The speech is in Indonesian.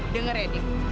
dengar ya dik